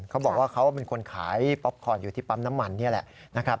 เขาบอกว่าเขาเป็นคนขายป๊อปคอนอยู่ที่ปั๊มน้ำมันนี่แหละนะครับ